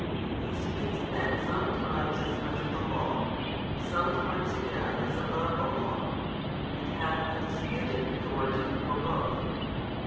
He speaks then sometimes as under the Law, sometimes again as above the Law, and hath undisputed authority for both.